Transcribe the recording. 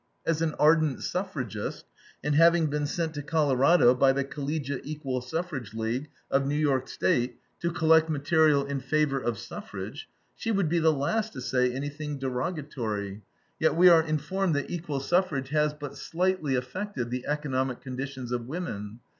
As an ardent suffragist, and having been sent to Colorado by the Collegiate Equal Suffrage League of New York State to collect material in favor of suffrage, she would be the last to say anything derogatory; yet we are informed that "equal suffrage has but slightly affected the economic conditions of women.